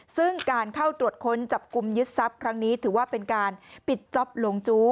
ซึ่งการเข้าตรวจค้นจับกลุ่มยึดทรัพย์ครั้งนี้ถือว่าเป็นการปิดจ๊อปหลงจู้